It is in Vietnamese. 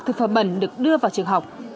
thực phẩm bẩn được đưa vào nhà trưởng